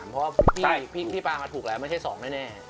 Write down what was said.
เพราะว่าพี่ปลามาถูกแล้วไม่ใช่๒แน่